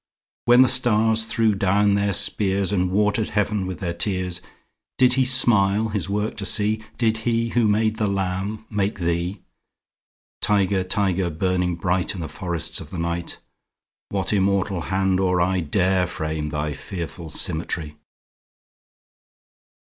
When the stars threw down their spears, And water'd heaven with their tears, Did He smile His work to see? Did He who made the lamb make thee? 20 Tiger, tiger, burning bright In the forests of the night, What immortal hand or eye Dare frame thy fearful symmetry?